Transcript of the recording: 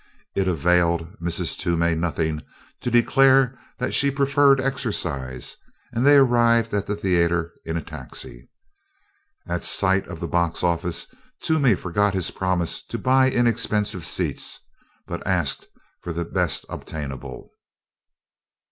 It availed Mrs. Toomey nothing to declare that she preferred exercise and they arrived at the theater in a taxi. At sight of the box office Toomey forgot his promise to buy inexpensive seats, but asked for the best obtainable.